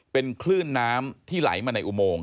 เป็นคลื่นน้ำที่ไหลมาในอุโมง